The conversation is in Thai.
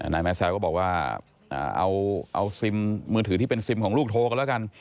นายแมสแซวก็บอกว่าเอาซิมมือถือที่เป็นซิมของลูกโทรกันแล้วกัน